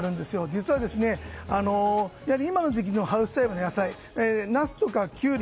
実は今の時期のハウス栽培の野菜ナスとかキュウリ